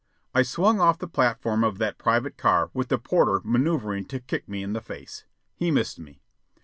I swung off the platform of that private car with the porter manoeuvring to kick me in the face. He missed me.